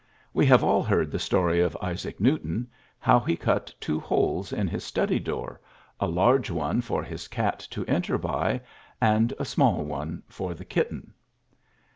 We have all heard the story of Isaac Newton how he cut two holes in his study door, a large one for his cat to enter by, and a small one for the kitten.